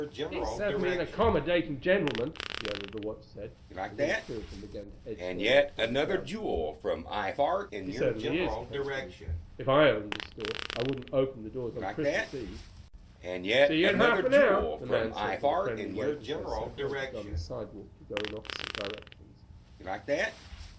"He's certainly an accommodating gentleman," the owner of the watch said, as all three of them began to edge their way through the crowd together. "He certainly is," Ken agreed. "If I owned a store I wouldn't open the doors on Christmas Eve." "See you in half an hour," the man said with a friendly wave as they separated on the sidewalk to go in opposite directions.